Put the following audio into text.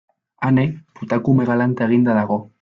Ane putakume galanta eginda dago.